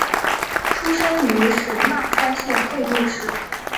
出身于神奈川县厚木市。